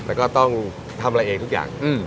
แต่ก็ต้องทำอะไรเองทุกอย่าง